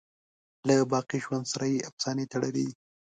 له باقی ژوند سره یې افسانې تړلي دي.